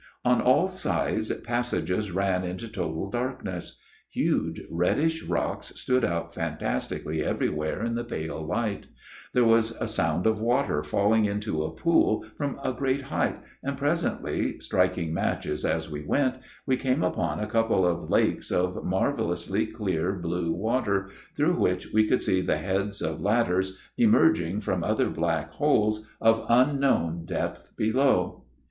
On all sides passages ran into total darkness ; huge reddish rocks stood out fantastically everywhere in the pale light ; there was a sound of water falling into a pool from a great height and presently, striking matches as we went, we came upon a couple of lakes of mar vellously clear blue water through which we could see the heads of ladders emerging from other black holes of unknown depth below.